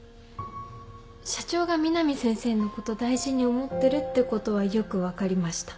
社長が美南先生のこと大事に思ってるってことはよく分かりました。